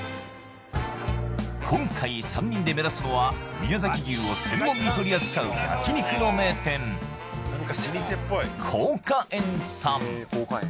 今回３人で目指すのは宮崎牛を専門に取り扱う焼肉の名店幸加園さん